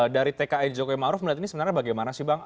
dari tkn jokowi maruf melihat ini sebenarnya bagaimana sih bang